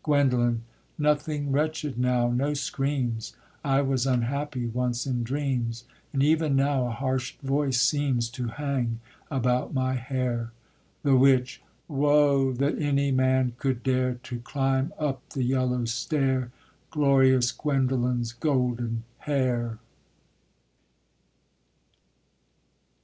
_ GUENDOLEN. Nothing wretched now, no screams; I was unhappy once in dreams, And even now a harsh voice seems To hang about my hair. THE WITCH. WOE! THAT ANY MAN COULD DARE TO CLIMB UP THE YELLOW STAIR, GLORIOUS GUENDOLEN'S GOLDEN HAIR.